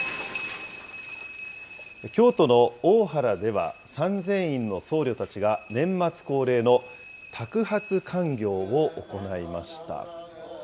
京都の大原では、三千院の僧侶たちが、年末恒例のたく鉢寒行を行いました。